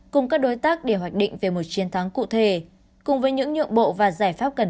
cùng các đối tác để hoạch định về một chiến thắng cụ thể cùng với những nhượng bộ và giải pháp cần